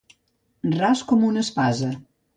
Ras com una espasa.